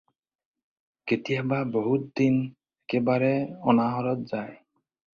কেতিয়াবা বহুত দিন একেবাৰে অনাহৰত যায়।